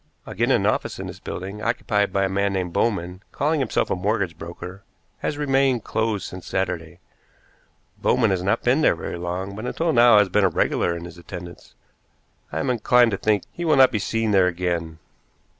Again, an office in this building, occupied by a man named Bowman, calling himself a mortgage broker, has remained closed since Saturday. Bowman has not been there very long, but until now has been regular in his attendance. I am inclined to think he will not be seen there again."